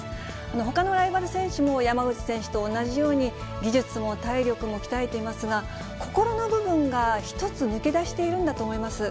ほかのライバル選手も、山口選手と同じように、技術も体力も鍛えていますが、心の部分が一つ抜け出しているんだと思います。